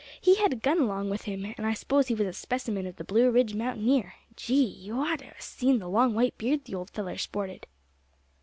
He had a gun along with him, and I s'pose he was a specimen of the Blue Ridge mountaineer. Gee! you ought to a seen the long white beard the old feller sported!"